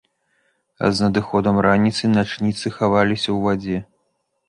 А з надыходам раніцы начніцы хаваліся ў вадзе.